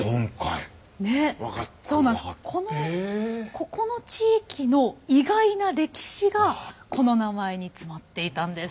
ここの地域の意外な歴史がこの名前に詰まっていたんです。